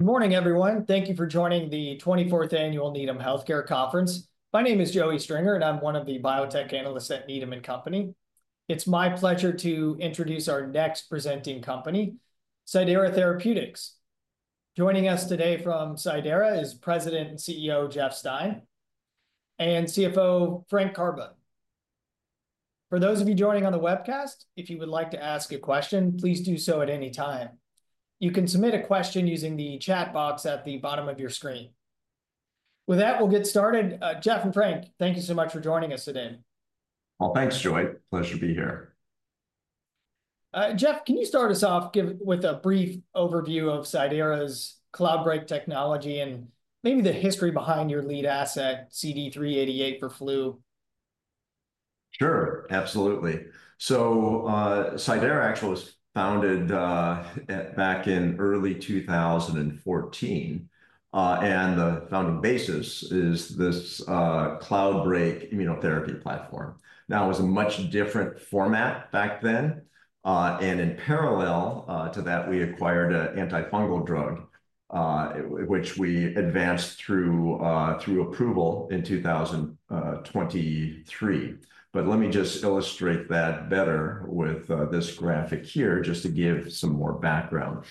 Good morning, everyone. Thank you for joining the 24th Annual Needham Healthcare Conference. My name is Joey Stringer, and I'm one of the biotech analysts at Needham & Company. It's my pleasure to introduce our next presenting company, Cidara Therapeutics. Joining us today from Cidara is President and CEO Jeff Stein and CFO Frank Karbe. For those of you joining on the webcast, if you would like to ask a question, please do so at any time. You can submit a question using the chat box at the bottom of your screen. With that, we'll get started. Jeff and Frank, thank you so much for joining us today. Thanks, Joey. Pleasure to be here. Jeff, can you start us off with a brief overview of Cidara's Cloudbreak technology and maybe the history behind your lead asset, CD388 for flu? Sure, absolutely. Cidara actually was founded back in early 2014, and the founding basis is this Cloudbreak immunotherapy platform. It was a much different format back then. In parallel to that, we acquired an antifungal drug, which we advanced through approval in 2023. Let me just illustrate that better with this graphic here, just to give some more background.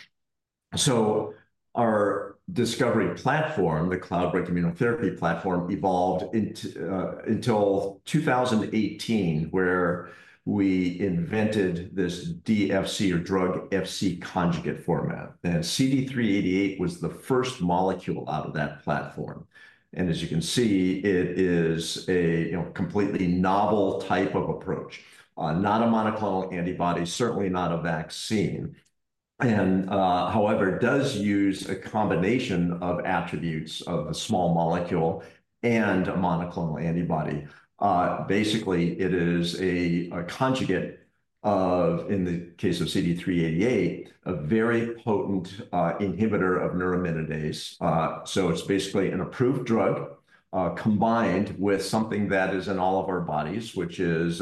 Our discovery platform, the Cloudbreak immunotherapy platform, evolved until 2018, where we invented this DFC or drug-Fc conjugate format. CD388 was the first molecule out of that platform. As you can see, it is a completely novel type of approach, not a monoclonal antibody, certainly not a vaccine. However, it does use a combination of attributes of the small molecule and a monoclonal antibody. Basically, it is a conjugate of, in the case of CD388, a very potent inhibitor of neuraminidase. It is basically an approved drug combined with something that is in all of our bodies, which is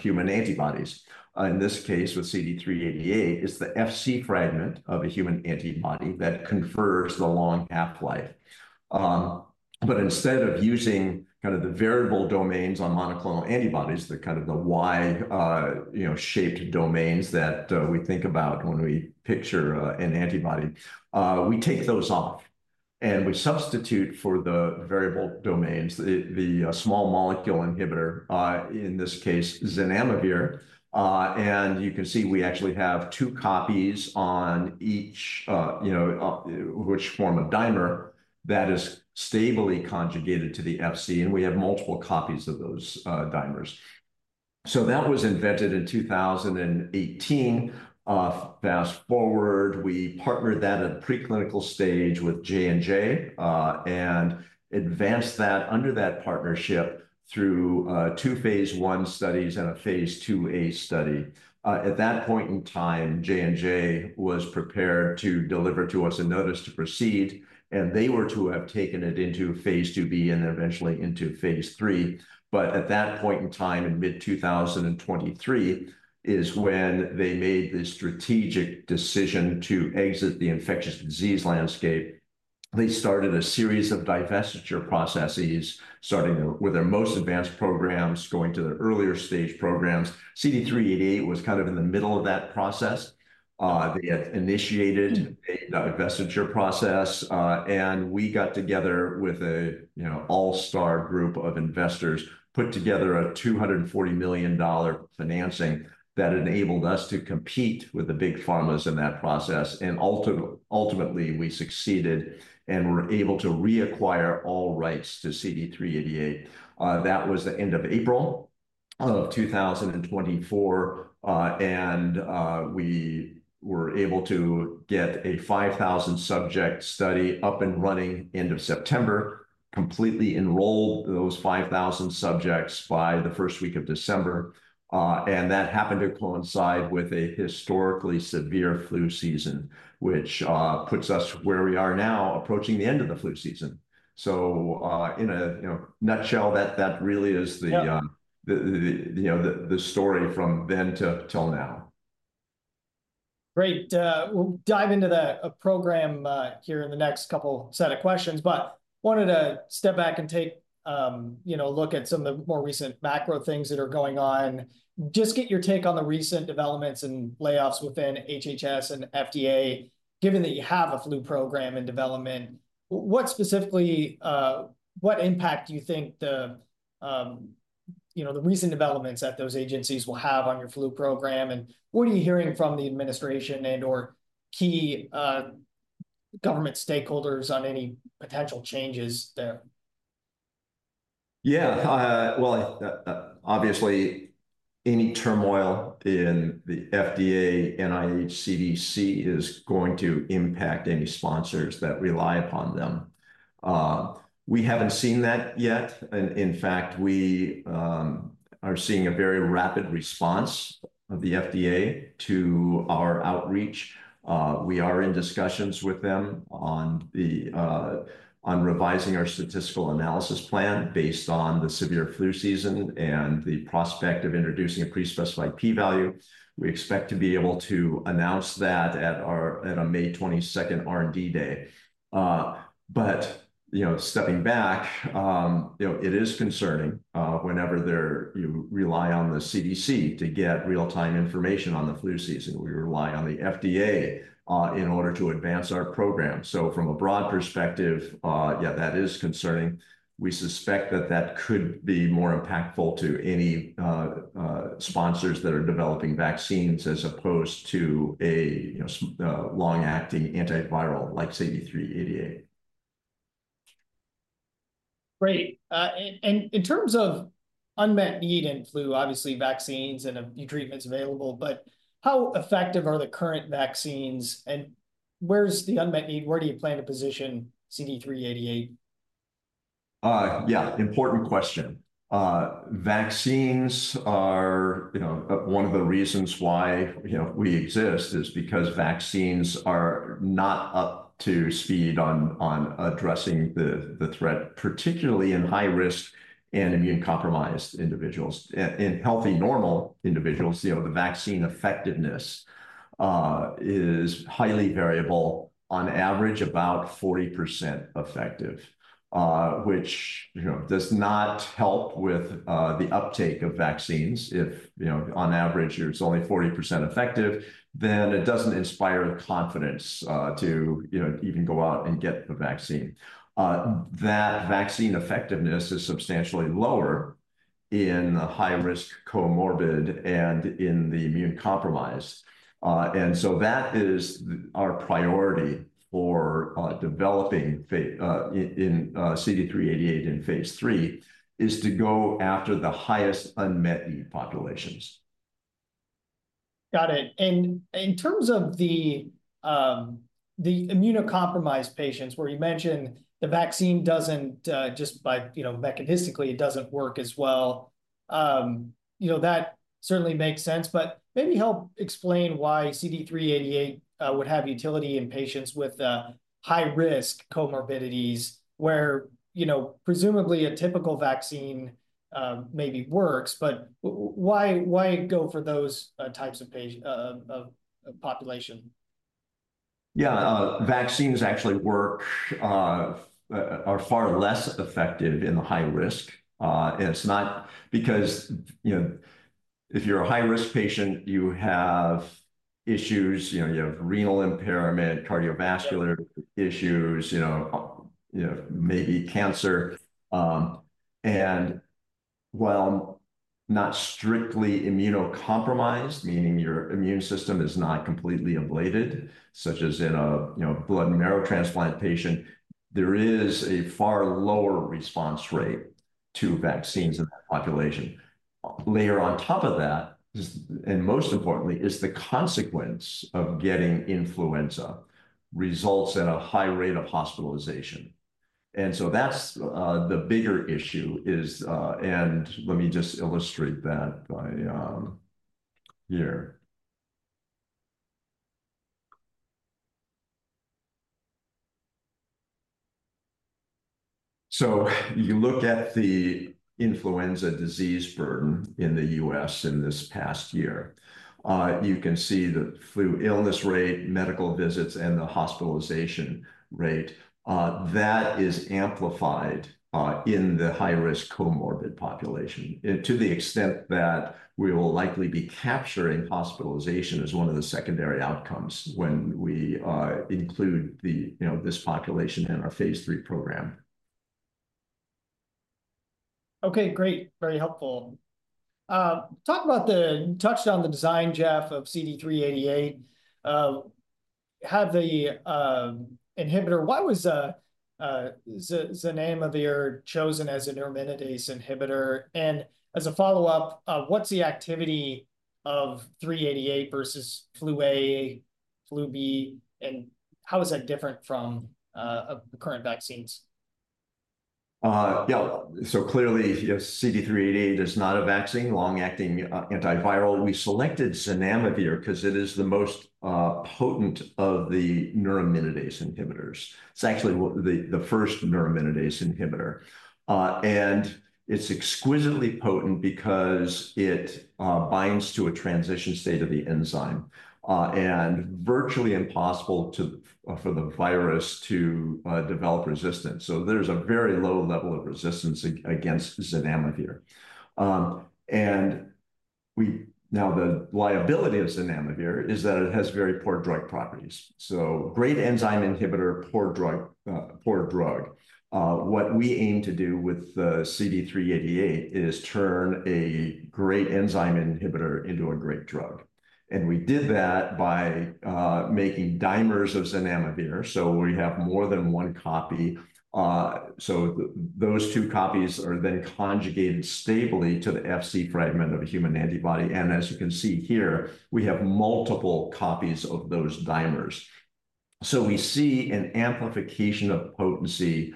human antibodies. In this case, with CD388, it is the Fc fragment of a human antibody that confers the long half-life. Instead of using kind of the variable domains on monoclonal antibodies, the kind of the Y-shaped domains that we think about when we picture an antibody, we take those off and we substitute for the variable domains, the small molecule inhibitor, in this case, zanamivir. You can see we actually have two copies on each, which form a dimer that is stably conjugated to the Fc. We have multiple copies of those dimers. That was invented in 2018. Fast forward, we partnered that at a preclinical stage with Johnson & Johnson and advanced that under that partnership through two phase I studies and a phase II-A study. At that point in time, J&J was prepared to deliver to us a notice to proceed, and they were to have taken it into phase II-B and then eventually into phase III. At that point in time, in mid-2023, is when they made the strategic decision to exit the infectious disease landscape. They started a series of divestiture processes, starting with their most advanced programs, going to their earlier stage programs. CD388 was kind of in the middle of that process. They had initiated a divestiture process, and we got together with an all-star group of investors, put together a $240 million financing that enabled us to compete with the big pharmas in that process. Ultimately, we succeeded and were able to reacquire all rights to CD388. That was the end of April of 2024, and we were able to get a 5,000-subject study up and running end of September, completely enrolled those 5,000 subjects by the first week of December. That happened to coincide with a historically severe flu season, which puts us where we are now, approaching the end of the flu season. In a nutshell, that really is the story from then till now. Great. We'll dive into the program here in the next couple set of questions, but wanted to step back and take a look at some of the more recent macro things that are going on. Just get your take on the recent developments and layoffs within HHS and FDA, given that you have a flu program in development. What specifically, what impact do you think the recent developments at those agencies will have on your flu program? What are you hearing from the administration and/or key government stakeholders on any potential changes there? Yeah. Obviously, any turmoil in the FDA, NIH, CDC is going to impact any sponsors that rely upon them. We have not seen that yet. In fact, we are seeing a very rapid response of the FDA to our outreach. We are in discussions with them on revising our statistical analysis plan based on the severe flu season and the prospect of introducing a pre-specified p-value. We expect to be able to announce that at a May 22nd R&D day. Stepping back, it is concerning whenever you rely on the CDC to get real-time information on the flu season. We rely on the FDA in order to advance our program. From a broad perspective, yeah, that is concerning. We suspect that that could be more impactful to any sponsors that are developing vaccines as opposed to a long-acting antiviral like CD388. Great. In terms of unmet need in flu, obviously vaccines and new treatments available, but how effective are the current vaccines? Where's the unmet need? Where do you plan to position CD388? Yeah, important question. Vaccines are one of the reasons why we exist is because vaccines are not up to speed on addressing the threat, particularly in high-risk and immunecompromised individuals. In healthy normal individuals, the vaccine effectiveness is highly variable, on average about 40% effective, which does not help with the uptake of vaccines. If on average it's only 40% effective, then it doesn't inspire confidence to even go out and get the vaccine. That vaccine effectiveness is substantially lower in the high-risk comorbid and in the immunecompromised. That is our priority for developing CD388 in phase III, is to go after the highest unmet need populations. Got it. In terms of the immunocompromised patients, where you mentioned the vaccine doesn't just by mechanistically, it doesn't work as well. That certainly makes sense, but maybe help explain why CD388 would have utility in patients with high-risk comorbidities, where presumably a typical vaccine maybe works, but why go for those types of population? Yeah, vaccines actually work, are far less effective in the high risk. It's not because if you're a high-risk patient, you have issues, you have renal impairment, cardiovascular issues, maybe cancer. And while not strictly immunocompromised, meaning your immune system is not completely ablated, such as in a blood and marrow transplant patient, there is a far lower response rate to vaccines in that population. Layer on top of that, and most importantly, is the consequence of getting influenza results in a high rate of hospitalization. That's the bigger issue. Let me just illustrate that here. You look at the influenza disease burden in the U.S. in this past year, you can see the flu illness rate, medical visits, and the hospitalization rate. That is amplified in the high-risk comorbid population to the extent that we will likely be capturing hospitalization as one of the secondary outcomes when we include this population in our phase III program. Okay, great. Very helpful. Talk about the touch on the design, Jeff, of CD388. Had the inhibitor, what was the name of your chosen as a neuraminidase inhibitor? As a follow-up, what's the activity of 388 versus flu A, flu B, and how is that different from current vaccines? Yeah, so clearly CD388 is not a vaccine, long-acting antiviral. We selected zanamivir because it is the most potent of the neuraminidase inhibitors. It's actually the first neuraminidase inhibitor. It's exquisitely potent because it binds to a transition state of the enzyme and virtually impossible for the virus to develop resistance. There's a very low level of resistance against zanamivir. Now the liability of zanamivir is that it has very poor drug properties. Great enzyme inhibitor, poor drug. What we aim to do with the CD388 is turn a great enzyme inhibitor into a great drug. We did that by making dimers of zanamivir. We have more than one copy. Those two copies are then conjugated stably to the Fc fragment of a human antibody. As you can see here, we have multiple copies of those dimers. We see an amplification of potency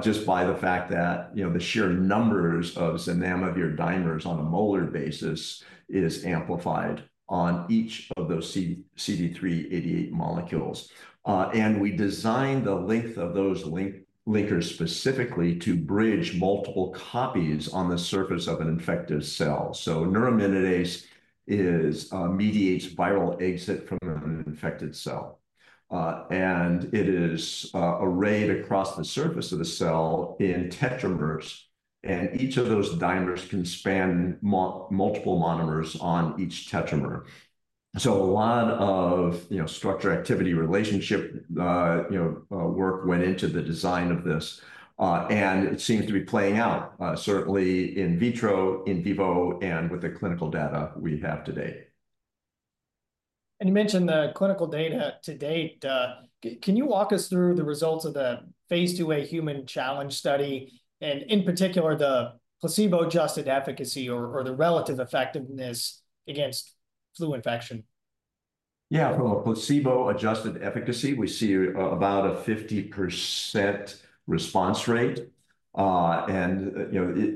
just by the fact that the sheer numbers of zanamivir dimers on a molar basis is amplified on each of those CD388 molecules. We designed the length of those linkers specifically to bridge multiple copies on the surface of an infected cell. Neuraminidase mediates viral exit from an infected cell. It is arrayed across the surface of the cell in tetramers. Each of those dimers can span multiple monomers on each tetramer. A lot of structure-activity relationship work went into the design of this. It seems to be playing out, certainly in vitro, in vivo, and with the clinical data we have today. You mentioned the clinical data to date. Can you walk us through the results of the phase II-A human challenge study and in particular the placebo-adjusted efficacy or the relative effectiveness against flu infection? Yeah, for placebo-adjusted efficacy, we see about a 50% response rate. The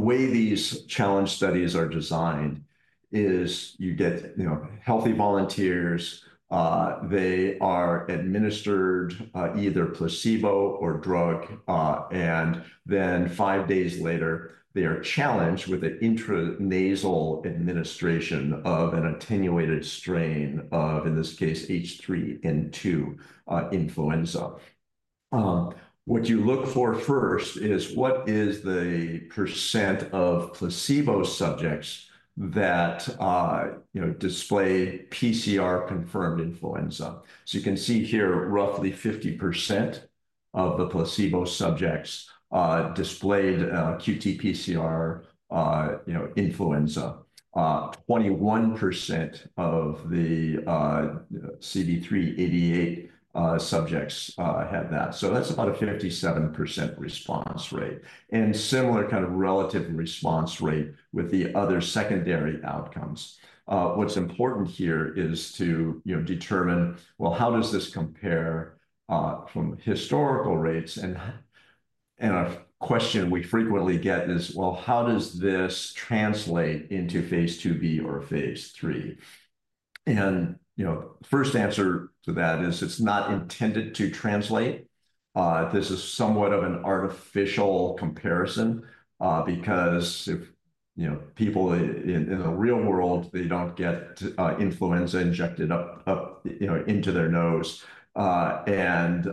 way these challenge studies are designed is you get healthy volunteers. They are administered either placebo or drug. Five days later, they are challenged with an intranasal administration of an attenuated strain of, in this case, H3N2 influenza. What you look for first is what is the percent of placebo subjects that display PCR-confirmed influenza. You can see here, roughly 50% of the placebo subjects displayed qRT-PCR influenza. 21% of the CD388 subjects had that. That's about a 57% response rate. Similar kind of relative response rate with the other secondary outcomes. What's important here is to determine, you know, how does this compare from historical rates? A question we frequently get is, you know, how does this translate into phase II-B or phase III? The first answer to that is it's not intended to translate. This is somewhat of an artificial comparison because if people in the real world, they don't get influenza injected up into their nose and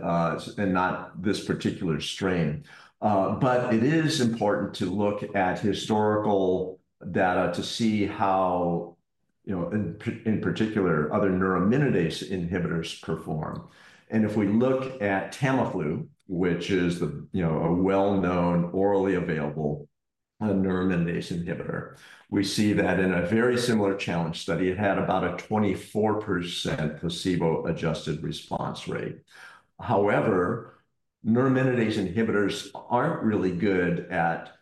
not this particular strain. It is important to look at historical data to see how, in particular, other neuraminidase inhibitors perform. If we look at Tamiflu, which is a well-known orally available neuraminidase inhibitor, we see that in a very similar challenge study, it had about a 24% placebo-adjusted response rate. However, neuraminidase inhibitors aren't really good at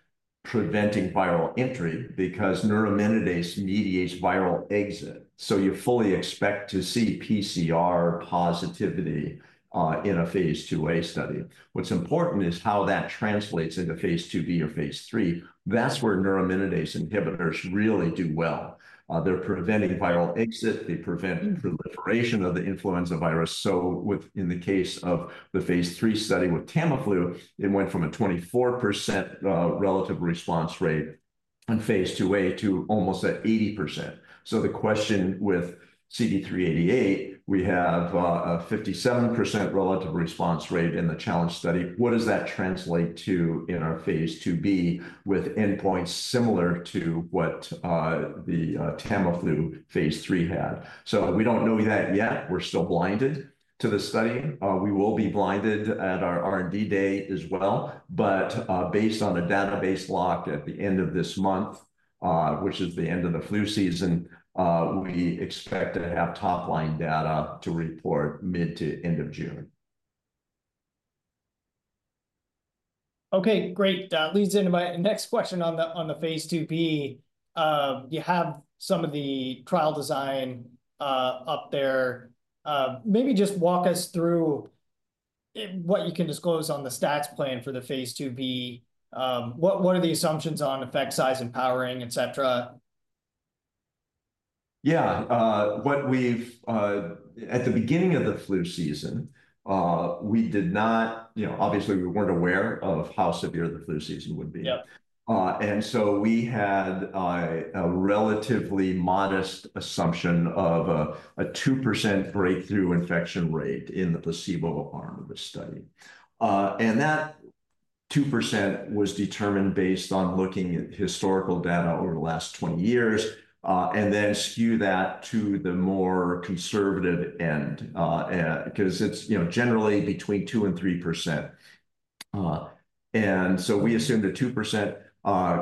preventing viral entry because neuraminidase mediates viral exit. You fully expect to see PCR positivity in a phase II-A study. What's important is how that translates into phase II-B or phase III. That's where neuraminidase inhibitors really do well. They're preventing viral exit. They prevent proliferation of the influenza virus. In the case of the phase III study with Tamiflu, it went from a 24% relative response rate in phase II-A to almost 80%. The question with CD388, we have a 57% relative response rate in the challenge study. What does that translate to in our phase II-B with endpoints similar to what the Tamiflu phase III had? We do not know that yet. We are still blinded to the study. We will be blinded at our R&D day as well. Based on a database lock at the end of this month, which is the end of the flu season, we expect to have top-line data to report mid to end of June. Okay, great. That leads into my next question on the phase II-B. You have some of the trial design up there. Maybe just walk us through what you can disclose on the stats plan for the phase II-B. What are the assumptions on effect size and powering, etc.? Yeah, at the beginning of the flu season, we did not, obviously, we weren't aware of how severe the flu season would be. We had a relatively modest assumption of a 2% breakthrough infection rate in the placebo arm of the study. That 2% was determined based on looking at historical data over the last 20 years and then skew that to the more conservative end because it's generally between 2% and 3%. We assume the 2%.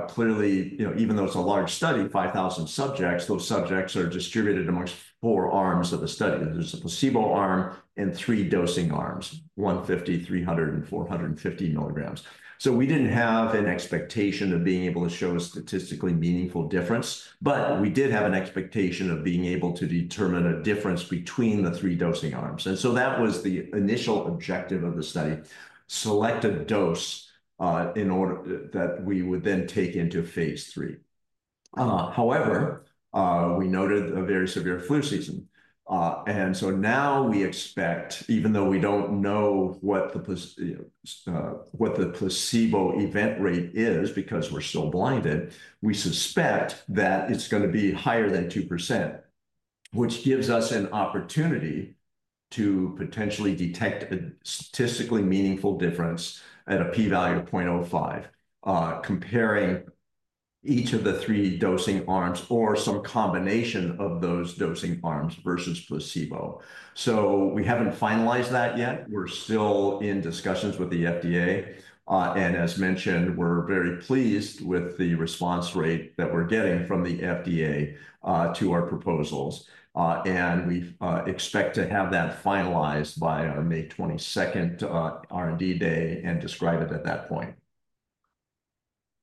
Clearly, even though it's a large study, 5,000 subjects, those subjects are distributed amongst four arms of the study. There're a placebo arm and three dosing arms, 150, 300, and 450 mg. We didn't have an expectation of being able to show a statistically meaningful difference, but we did have an expectation of being able to determine a difference between the three dosing arms. That was the initial objective of the study, select a dose that we would then take into phase III. However, we noted a very severe flu season. Now we expect, even though we don't know what the placebo event rate is because we're still blinded, we suspect that it's going to be higher than 2%, which gives us an opportunity to potentially detect a statistically meaningful difference at a p-value of 0.05, comparing each of the three dosing arms or some combination of those dosing arms versus placebo. We haven't finalized that yet. We're still in discussions with the FDA. As mentioned, we're very pleased with the response rate that we're getting from the FDA to our proposals. We expect to have that finalized by our May 22nd R&D day and describe it at that point.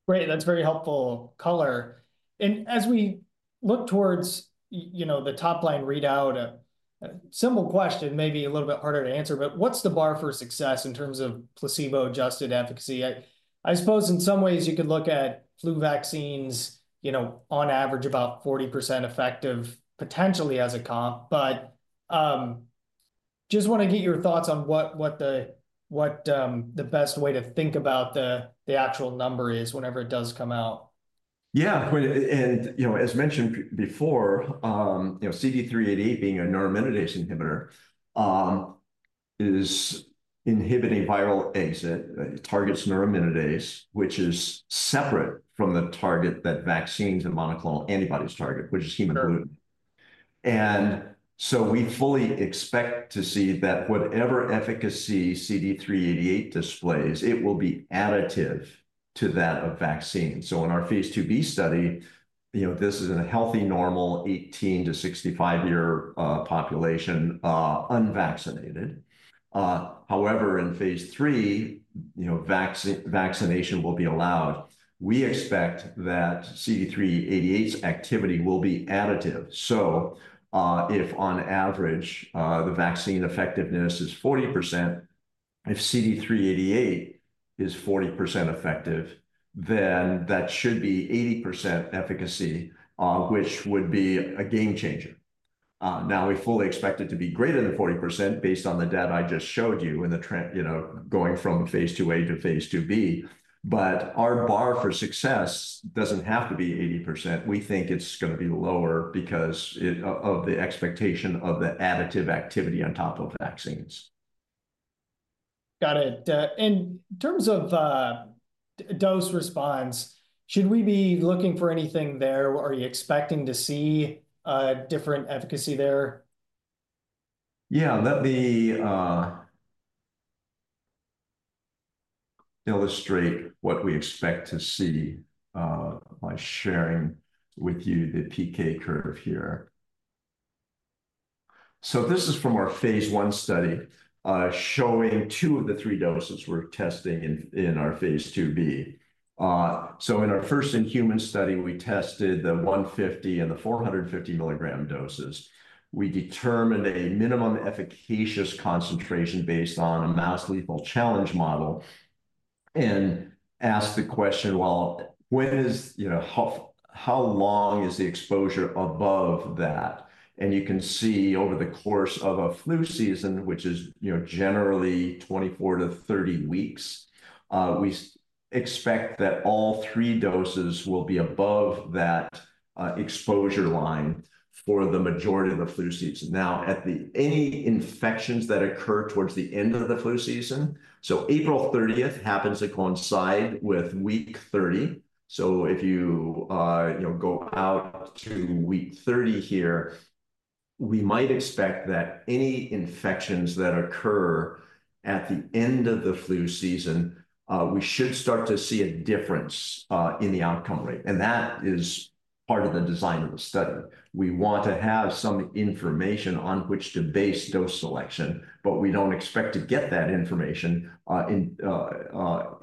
Great. That's very helpful color. As we look towards the top-line readout, a simple question, maybe a little bit harder to answer, but what's the bar for success in terms of placebo-adjusted efficacy? I suppose in some ways you could look at flu vaccines on average about 40% effective, potentially as a comp, but just want to get your thoughts on what the best way to think about the actual number is whenever it does come out. Yeah, and as mentioned before, CD388 being a neuraminidase inhibitor is inhibiting viral exit. It targets neuraminidase, which is separate from the target that vaccines and monoclonal antibodies target, which is hemoglobin. We fully expect to see that whatever efficacy CD388 displays, it will be additive to that of vaccine. In our phase II-B study, this is a healthy, normal 18 - 65 year population, unvaccinated. However, in phase III, vaccination will be allowed. We expect that CD388's activity will be additive. If on average the vaccine effectiveness is 40%, if CD388 is 40% effective, then that should be 80% efficacy, which would be a game changer. We fully expect it to be greater than 40% based on the data I just showed you in the going from phase II-A to phase II-B. Our bar for success doesn't have to be 80%. We think it's going to be lower because of the expectation of the additive activity on top of vaccines. Got it. In terms of dose response, should we be looking for anything there? Are you expecting to see different efficacy there? Yeah, let me illustrate what we expect to see by sharing with you the PK curve here. This is from our phase I study showing two of the three doses we're testing in our phase II-B. In our first in-human study, we tested the 150 and the 450 mg doses. We determined a minimum efficacious concentration based on a mouse lethal challenge model and asked the question, you know, how long is the exposure above that? You can see over the course of a flu season, which is generally 24-30 weeks, we expect that all three doses will be above that exposure line for the majority of the flu seasons. Any infections that occur towards the end of the flu season, so April 30th happens to coincide with week 30. If you go out to week 30 here, we might expect that any infections that occur at the end of the flu season, we should start to see a difference in the outcome rate. That is part of the design of the study. We want to have some information on which to base dose selection, but we do not expect to get that information until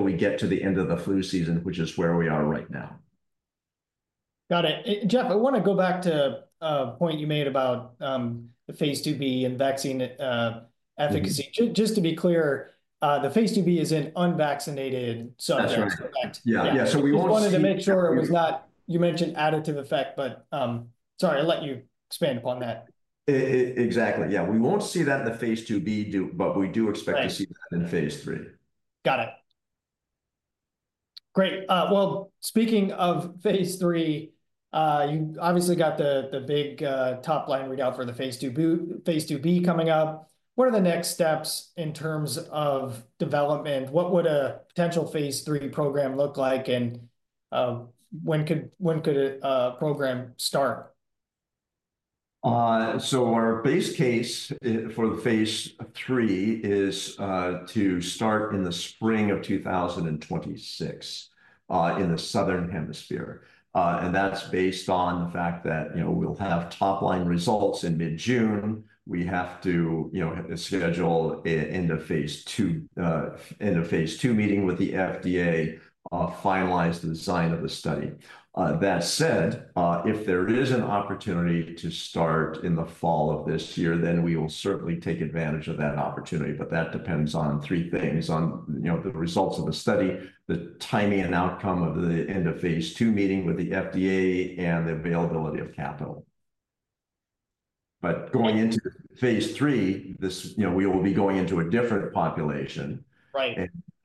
we get to the end of the flu season, which is where we are right now. Got it. Jeff, I want to go back to a point you made about the phase II-B and vaccine efficacy. Just to be clear, the phase II-B is in unvaccinated subjects. That's right. Yeah, yeah. We wanted to make sure it was not, you mentioned additive effect, but sorry, I'll let you expand upon that. Exactly. We won't see that in the phase II-B, but we do expect to see that in phase III. Got it. Great. Speaking of phase III, you obviously got the big top-line readout for the phase II-B coming up. What are the next steps in terms of development? What would a potential phase III program look like? When could a program start? Our base case for the phase III is to start in the spring of 2026 in the Southern Hemisphere. That is based on the fact that we will have top-line results in mid-June. We have to schedule end of phase II meeting with the FDA, finalize the design of the study. That said, if there is an opportunity to start in the fall of this year, we will certainly take advantage of that opportunity. That depends on three things: the results of the study, the timing and outcome of the end of phase II meeting with the FDA, and the availability of capital. Going into phase III, we will be going into a different population.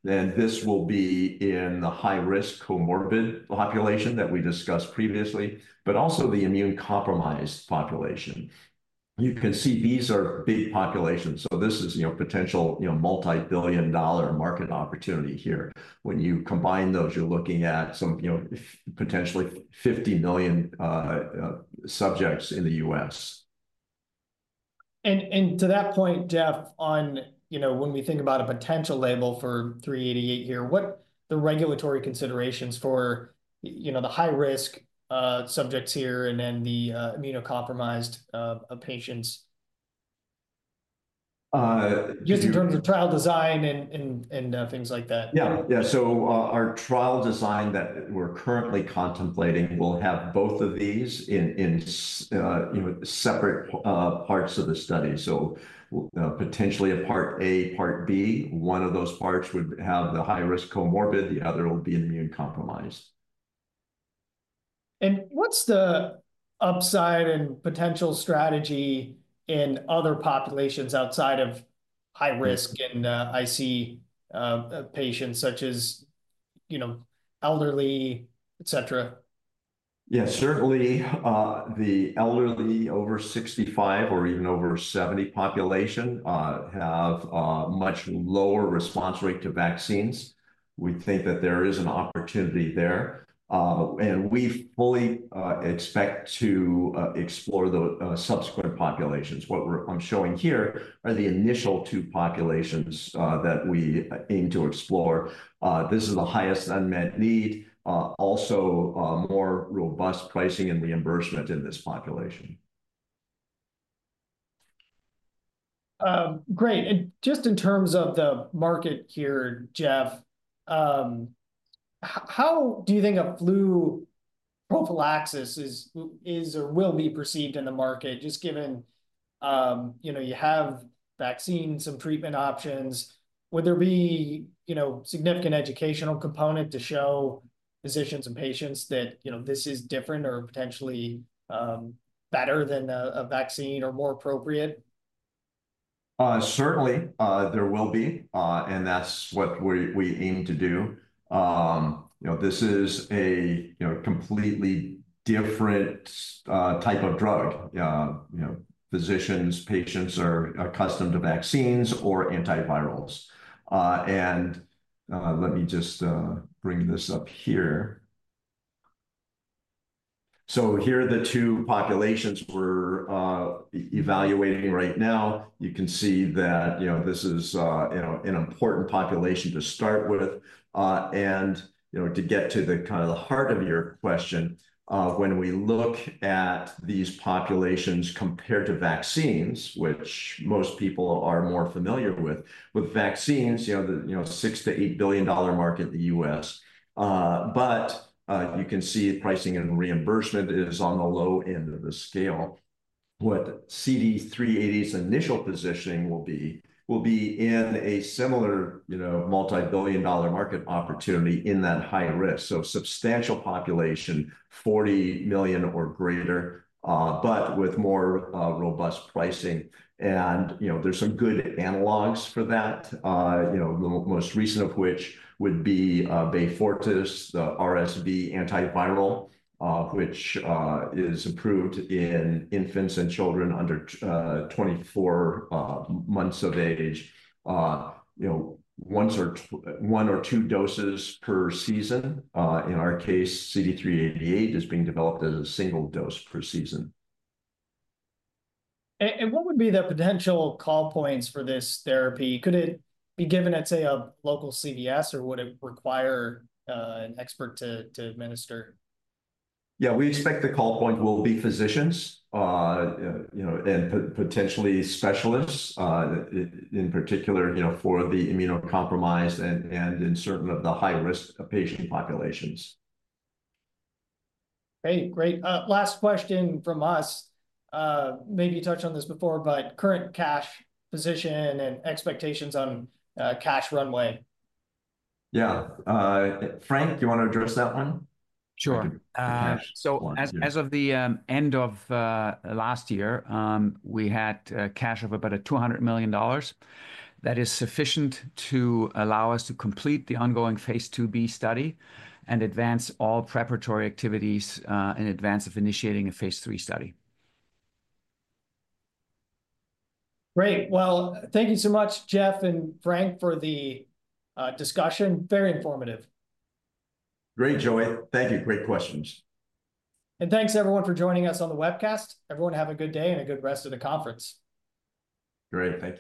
This will be in the high-risk comorbid population that we discussed previously, but also the immune-compromised population. You can see these are big populations. This is potential multibillion dollar market opportunity here. When you combine those, you're looking at potentially 50 million subjects in the U.S. To that point, Jeff, when we think about a potential label for 388 here, what are the regulatory considerations for the high-risk subjects here and then the immunocompromised patients? Just in terms of trial design and things like that. Yeah, yeah. Our trial design that we're currently contemplating will have both of these in separate parts of the study. Potentially a part A, part B, one of those parts would have the high-risk comorbid. The other will be immune compromised. What's the upside and potential strategy in other populations outside of high-risk and IC patients such as elderly, etc.? Yeah, certainly the elderly over 65 or even over 70 population have a much lower response rate to vaccines. We think that there is an opportunity there. We fully expect to explore the subsequent populations. What I'm showing here are the initial two populations that we aim to explore. This is the highest unmet need. Also, more robust pricing and reimbursement in this population. Great. Just in terms of the market here, Jeff, how do you think a flu prophylaxis is or will be perceived in the market? Just given you have vaccine, some treatment options, would there be significant educational component to show physicians and patients that this is different or potentially better than a vaccine or more appropriate? Certainly, there will be. That is what we aim to do. This is a completely different type of drug. Physicians, patients are accustomed to vaccines or antivirals. Let me just bring this up here. Here are the two populations we are evaluating right now. You can see that this is an important population to start with. To get to the heart of your question, when we look at these populations compared to vaccines, which most people are more familiar with, with vaccines, the $6 billion-$8 billion market in the U.S., you can see pricing and reimbursement is on the low end of the scale. What CD388's initial positioning will be is in a similar multibillion-dollar market opportunity in that high risk. Substantial population, 40 million or greater, but with more robust pricing. There are some good analogs for that, the most recent of which would be Beyfortus, the RSV antiviral, which is approved in infants and children under 24 months of age. One or two doses per season. In our case, CD388 is being developed as a single dose per season. What would be the potential call points for this therapy? Could it be given at, say, a local CVS, or would it require an expert to administer? Yeah, we expect the call points will be physicians and potentially specialists, in particular for the immunocompromised and in certain of the high-risk patient populations. Okay, great. Last question from us. Maybe you touched on this before, but current cash position and expectations on cash runway. Yeah. Frank, you want to address that one? Sure. As of the end of last year, we had cash of about $200 million. That is sufficient to allow us to complete the ongoing phase II study and advance all preparatory activities in advance of initiating a phase III study. Great. Thank you so much, Jeff and Frank, for the discussion. Very informative. Great, Joey. Thank you. Great questions. Thanks, everyone, for joining us on the webcast. Everyone, have a good day and a good rest of the conference. Great. Thank you.